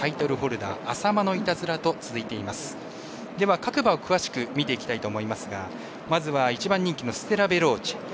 各馬を詳しく見ていきたいと思いますがまずは１番人気のステラヴェローチェ。